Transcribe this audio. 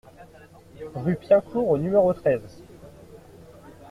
Rue Piencourt au numéro treize